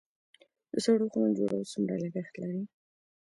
د سړو خونو جوړول څومره لګښت لري؟